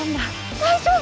「大丈夫？」